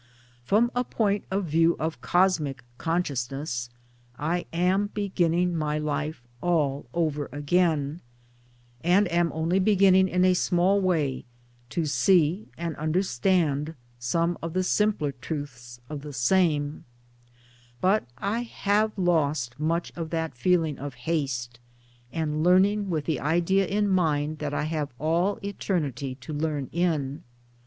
From a point of view of Cosmic Con sciousness I am beginning my life all over again, and am only beginning in a small way to see and understand some of the simpler truths of the same ; but I have lost much of that feeling of haste, and learning with the idea in mind that I have all eternity MILLTHORPIANA 189 to learn in.